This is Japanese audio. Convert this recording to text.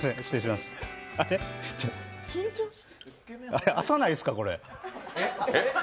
あれっ？浅ないですか、これ？